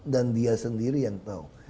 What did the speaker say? dan dia sendiri yang tahu